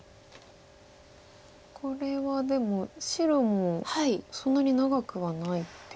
これはでも白もそんなに長くはないですよね。